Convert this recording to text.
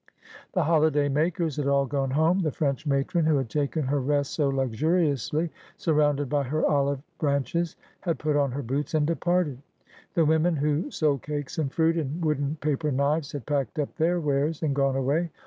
The holiday makers had all gone home. The French matron B 18 Aspliodel. who bad taken her rest so luxuriously, surrounded by her olive branches, had put on her boots and departed. The women who sold cakes and fruit, and wooden paper knives, had packed up their wares and gone away.